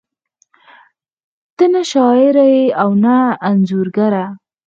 ته نه شاعره ېې او نه انځورګره